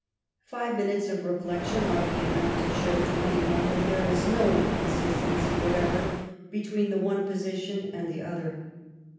Five minutes of reflection ought to be enough to show to any one that there is no incon sistency whatever between the one position and the other.